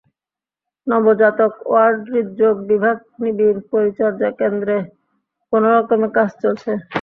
নবজাতক ওয়ার্ড, হৃদ্রোগ বিভাগ, নিবিড় পরিচর্যা কেন্দ্রে কোনো রকমে কাজ চলছে।